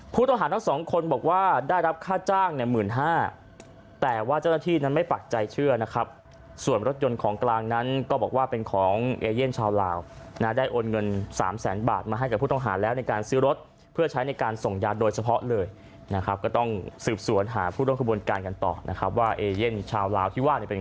ผู้ต้องหารทั้งสองคนบอกว่าได้รับค่าจ้าง๑๕๐๐๐บาท